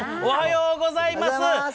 おはようございます。